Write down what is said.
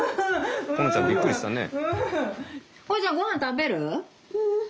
このちゃんびっくりしたね。